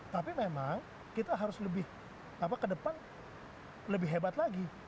tapi memang kita harus lebih ke depan lebih hebat lagi